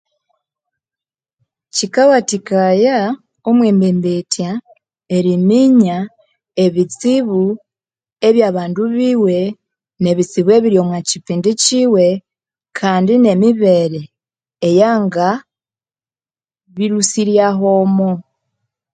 Kyikawathikaya omwembembethya eriminya ebitsibu, ebyabandu biwe nebistibu ebirimwakipindi kyiwe Kandi ngokwangabihamo